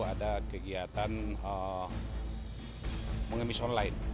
ada kegiatan mengemis online